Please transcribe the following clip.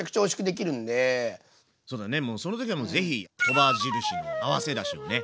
そうだねその時はもう是非「鳥羽印」の合わせだしをね。